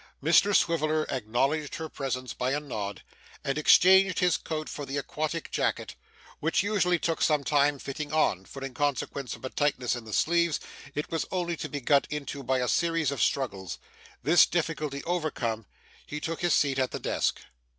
Mr Swiveller acknowledged her presence by a nod, and exchanged his coat for the aquatic jacket; which usually took some time fitting on, for in consequence of a tightness in the sleeves, it was only to be got into by a series of struggles. This difficulty overcome, he took his seat at the desk.